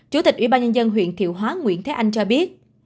chủ tịch ủy ban nhân dân huyện thiệu hóa nguyễn thế anh cho biết